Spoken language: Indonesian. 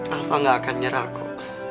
alva gak akan nyerah aku